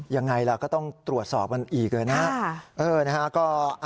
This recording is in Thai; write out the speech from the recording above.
ยังไงล่ะก็ต้องตรวจสอบมันอีกนะครับ